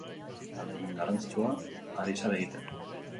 Ahalegin garrantzitsua ari zara egiten.